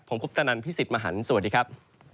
ผมพุทธนันท์พี่สิทธิ์มหันธ์สวัสดีครับ